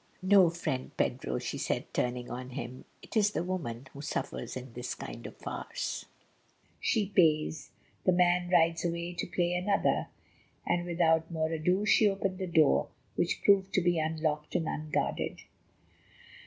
"No, friend Pedro," she said, turning on him, "it is the woman who suffers in this kind of farce. She pays; the man rides away to play another," and without more ado she opened the door, which proved to be unlocked and unguarded.